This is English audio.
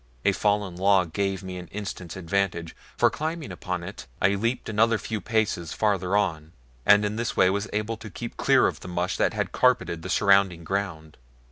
A fallen log gave me an instant's advantage, for climbing upon it I leaped to another a few paces farther on, and in this way was able to keep clear of the mush that carpeted the surrounding ground.